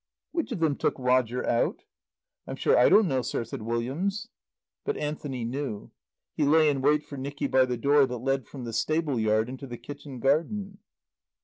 "Which of them took Roger out?" "I'm sure I don't know, sir," said Williams. But Anthony knew. He lay in wait for Nicky by the door that led from the stable yard into the kitchen garden.